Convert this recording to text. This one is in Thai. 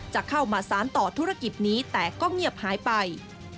จะเข้ามาสารต่อธุรกิจนี้แต่ก็เงียบหายไป